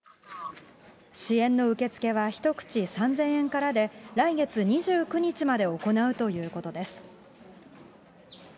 支援の受け付けは１口３０００円からで、来月２９日まで行うということです。